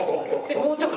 もうちょっと。